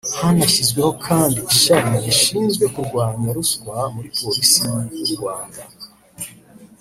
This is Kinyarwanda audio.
Hanashyizweho kandi ishami rishinzwe kurwanya ruswa muri polisi y’u Rwanda